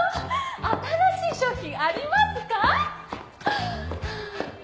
新しい商品ありますか？